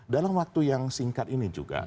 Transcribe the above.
dalam waktu yang singkat ini juga